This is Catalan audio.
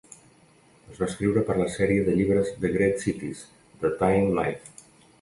Es va escriure per a la sèrie de llibres "The Great Cities" de Time-Life.